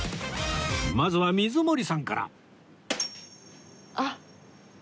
まずは水森さんから